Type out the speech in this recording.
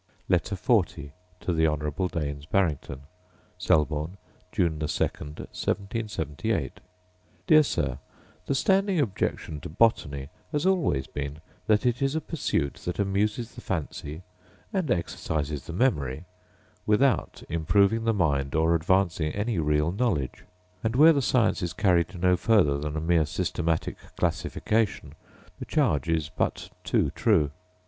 Letter XL To The Honourable Daines Barrington Selborne, June 2, 1778. Dear Sir, The standing objection to botany has always been, that it is a pursuit that amuses the fancy and exercises the memory, without improving the mind or advancing any real knowledge: and where the science is carried no farther than a mere systematic classification, the charge is but too true.